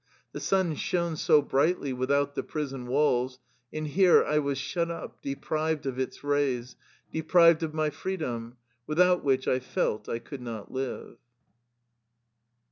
The sun shone so brightly without the prison walls, and here I was shut up, deprived of its rays, de prived of my freedom, without which I felt I could not live.